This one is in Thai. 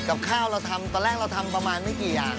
กับข้าวเราทำตอนแรกเราทำประมาณไม่กี่อย่าง